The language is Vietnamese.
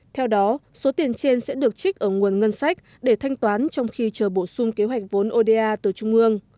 theo đó số tiền trên sẽ được trích ở nguồn ngân sách để thanh toán trong khi chờ bổ sung kế hoạch vốn oda từ trung ương